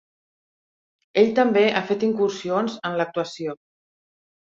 Ell també ha fet incursions en l'actuació.